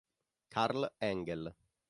Karl Engel